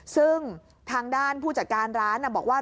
ซึ่งทางด้านผู้จัดการร้านบอกว่า